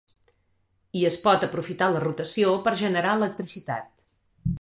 I es pot aprofitar la rotació per generar electricitat.